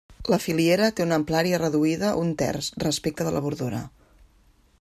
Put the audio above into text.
La filiera té una amplària reduïda un terç respecte de la bordura.